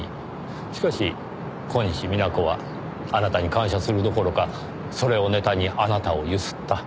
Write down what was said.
しかし小西皆子はあなたに感謝するどころかそれをネタにあなたを強請った。